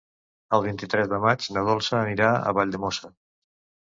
El vint-i-tres de maig na Dolça anirà a Valldemossa.